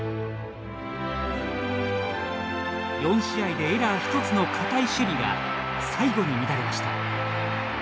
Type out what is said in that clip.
４試合でエラー１つの堅い守備が、最後に乱れました。